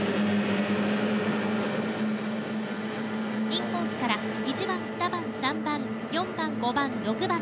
インコースから１番２番３番４番５番６番。